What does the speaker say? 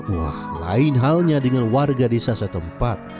wah lain halnya dengan warga desa setempat